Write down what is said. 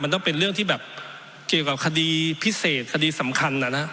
มันต้องเป็นเรื่องที่แบบเกี่ยวกับคดีพิเศษคดีสำคัญนะครับ